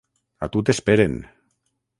A tu t'esperen!